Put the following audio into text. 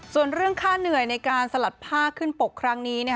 ส่วนเรื่องค่าเหนื่อยในการสลัดผ้าขึ้นปกครั้งนี้